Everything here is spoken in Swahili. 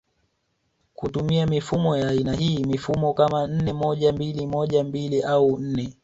kutumia mifumo ya aina hii mifumo kama nne moja mbili moja mbili au nne